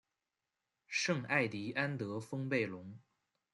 圣艾蒂安德丰贝隆。